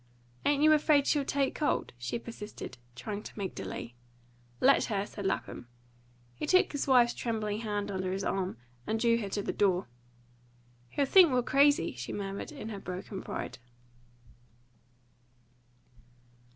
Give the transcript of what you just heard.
"Ain't you afraid she'll take cold," she persisted, trying to make delay. "Let her!" said Lapham. He took his wife's trembling hand under his arm, and drew her to the door. "He'll think we're crazy," she murmured in her broken pride.